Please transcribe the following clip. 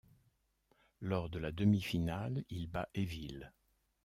Lors de la demi-finale, il bat Evil.